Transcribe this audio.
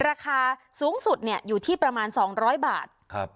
ราคาสูงสุดเนี่ยอยู่ที่ประมาณสองร้อยบาทครับ